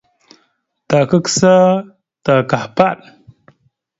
Ta kagsa ta kahpaɗ.